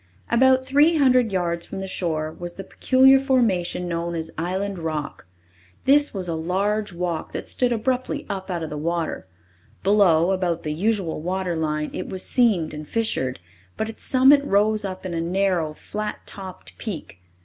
About three hundred yards from the shore was the peculiar formation known as Island Rock. This was a large rock that stood abruptly up out of the water. Below, about the usual water line, it was seamed and fissured, but its summit rose up in a narrow, flat topped peak.